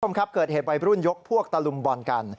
คุณผู้ชมครับเกิดเหตุวัยรุ่นยกพวกตะลุมบอลกัน